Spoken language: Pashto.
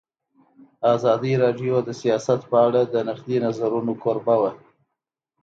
ازادي راډیو د سیاست په اړه د نقدي نظرونو کوربه وه.